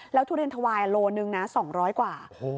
ทุเรียนถวายโลนึงนะ๒๐๐กว่า